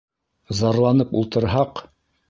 Зарланып ултырһаҡ...